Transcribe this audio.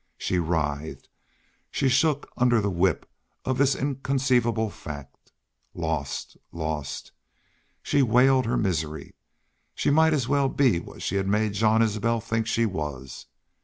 She writhed, she shook under the whip of this inconceivable fact. Lost! Lost! She wailed her misery. She might as well be what she had made Jean Isbel think she was.